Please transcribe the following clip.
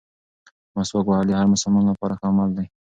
مسواک وهل د هر مسلمان لپاره ښه عمل دی.